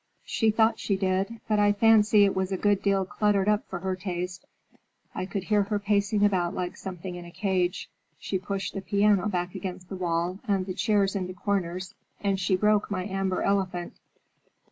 "She thought she did, but I fancy it was a good deal cluttered up for her taste. I could hear her pacing about like something in a cage. She pushed the piano back against the wall and the chairs into corners, and she broke my amber elephant."